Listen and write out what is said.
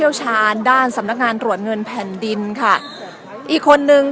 ชาญด้านสำนักงานตรวจเงินแผ่นดินค่ะอีกคนนึง